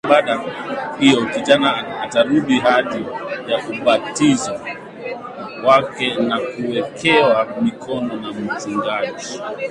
Katika ibada hiyo kijana atarudia ahadi ya ubatizo wake na kuwekewa mikono na mchungaji